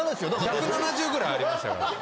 １７０ぐらいありましたから。